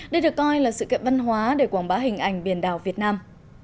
đây được coi là sự kiện văn hóa để quảng bá hình ảnh biển đảo việt nam